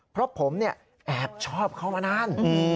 เพราะผมแอบชอบเขามานาน